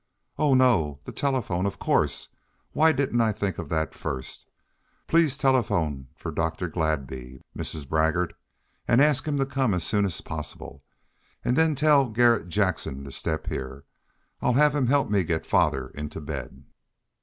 Oh, no! The telephone, of course! Why didn't I think of that at first? Please telephone for Dr. Gladby, Mrs. Baggert. Ask him to come as soon as possible, and then tell Garret Jackson to step here. I'll have him help me get father into bed."